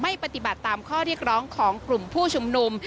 ปฏิบัติตามข้อเรียกร้องของกลุ่มผู้ชุมนุม